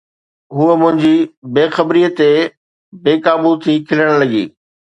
هوءَ منهنجي بي خبريءَ تي بي قابو ٿي کلڻ لڳي.